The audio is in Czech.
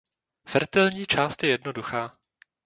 Fertilní část je jednoduchá.